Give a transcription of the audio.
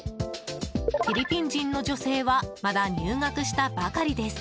フィリピン人の女性はまだ入学したばかりです。